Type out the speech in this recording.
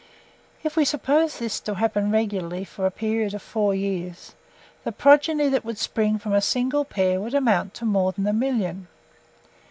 If we suppose this to happen regularly for a period of four years, the progeny that would spring from a single pair would amount to more than a million.